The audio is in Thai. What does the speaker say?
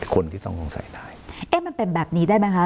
คนที่ต้องสงสัยได้เอ๊ะมันเป็นแบบนี้ได้ไหมคะ